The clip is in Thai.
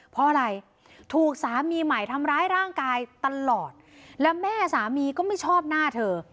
เพราะอะไรถูกสามีใหม่ทำร้ายร่างกายตลอดและแม่สามีก็ไม่ชอบหน้าเธอ